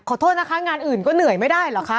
โทษนะคะงานอื่นก็เหนื่อยไม่ได้เหรอคะ